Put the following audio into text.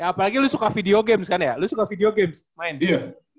ya apalagi lu suka video games kan ya lu suka video games main